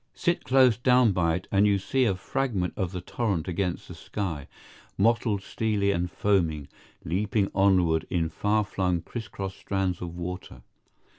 Sit close down by it, and you see a fragment of the torrent against the sky, mottled, steely, and foaming, leaping onward in far flung criss cross strands of water.